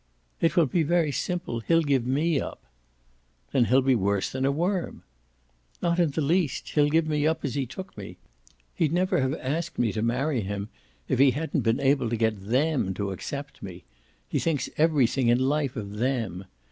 "It will be very simple he'll give me up." "Then he'll be worse than a worm." "Not in the least he'll give me up as he took me. He'd never have asked me to marry him if he hadn't been able to get THEM to accept me: he thinks everything in life of THEM.